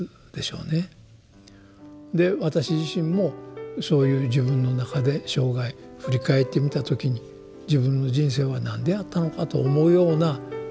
で私自身もそういう自分の中で生涯振り返って見た時に自分の人生はなんであったのかと思うような連続ですよ。